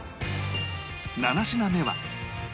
７品目は